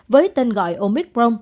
với tên gọi ổn định